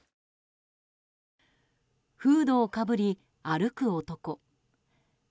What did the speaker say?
フードをかぶり歩く男。